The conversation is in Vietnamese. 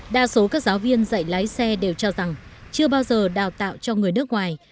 đa số các giáo viên dạy lái xe đều cho rằng chưa bao giờ đào tạo cho người nước ngoài